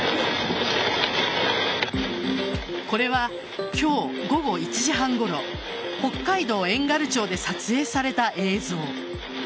これは今日午後１時半ごろ北海道遠軽町で撮影された映像。